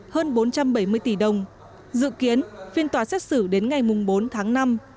hơn bốn trăm bảy mươi tỷ đồng dự kiến phiên tòa xét xử đến ngày bốn tháng năm